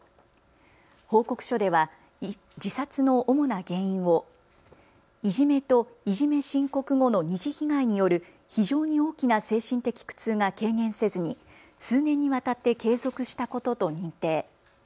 報告書では自殺の主な原因をいじめと、いじめ申告後の２次被害による非常に大きな精神的苦痛が軽減せずに数年にわたって継続したことと認定。